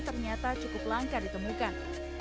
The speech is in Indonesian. ternyata cukup langka ditemukan